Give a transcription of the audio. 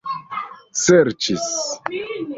serĉis